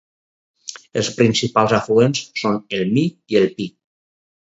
Els principals afluents són el Mi i el Pi.